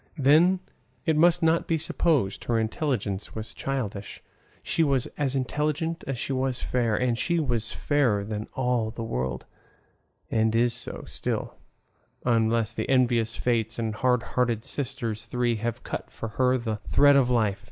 Then, it must not be supposed her intelligence was childish; she was as intelligent as she was fair, and she was fairer than all the world; and is so still, unless the envious fates and hard hearted sisters three have cut for her the thread of life.